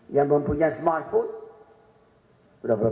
yang mempunyai smartphone berapa banyak